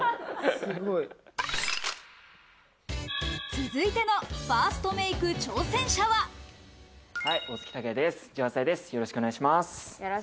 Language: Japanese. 続いてのファーストメイク挑戦者は。